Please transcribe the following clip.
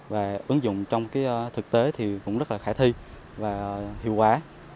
và ứng dụng trong thực tế cũng rất khả thi và hiệu quả